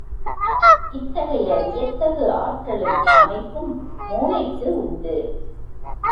இத்தகைய வியத்தகு ஆற்றலும் அமைப்பும் மூளைக்கு உண்டு.